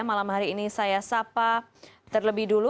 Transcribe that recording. malam hari ini saya sapa terlebih dulu